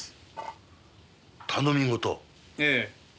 ええ。